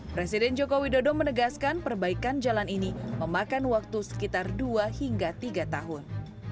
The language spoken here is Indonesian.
presiden joko widodo menegaskan perbaikan jalan ini memakan waktu sekitar dua hingga tiga tahun